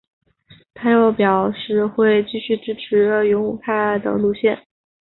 他又表示会继续支持勇武派的路线。